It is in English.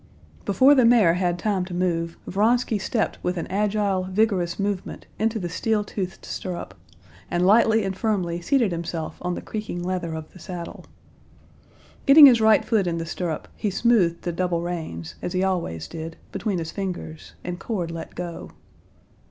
Before the mare had time to move, Vronsky stepped with an agile, vigorous movement into the steel toothed stirrup, and lightly and firmly seated himself on the creaking leather of the saddle. Getting his right foot in the stirrup, he smoothed the double reins, as he always did, between his fingers, and Cord let go.